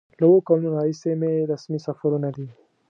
له اوو کلونو راهیسې مې رسمي سفرونه دي.